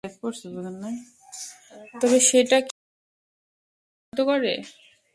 তবে সেটা কি তোমায় খারাপ মানুষে পরিণত করে?